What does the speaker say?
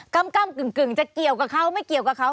กำกึ่งจะเกี่ยวกับเขาไม่เกี่ยวกับเขา